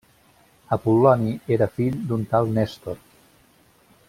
Apol·loni era fill d'un tal Néstor.